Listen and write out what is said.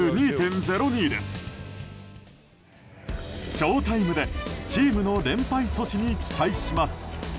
ＳＨＯＴＩＭＥでチームの連敗阻止に期待します。